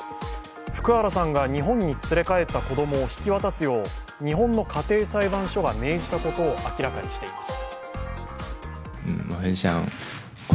福原さんが日本に連れ帰った子供を引き渡すよう日本の家庭裁判所が命じたことを明らかにしています。